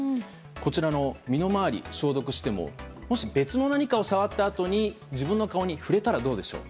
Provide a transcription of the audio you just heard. こちらの身の回り消毒をしてももし別の何かを触ったあとに自分の顔に触れたらどうでしょう。